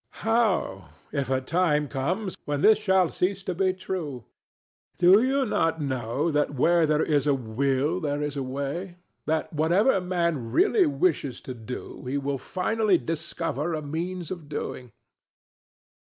DON JUAN. How if a time comes when this shall cease to be true? Do you not know that where there is a will there is a way that whatever Man really wishes to do he will finally discover a means of doing?